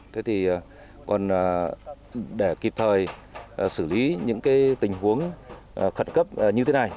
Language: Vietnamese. thế thì còn để kịp thời xử lý những tình huống khẩn cấp như thế này